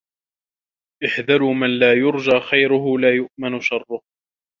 احذروا من لا يرجى خيره ولا يؤمن شره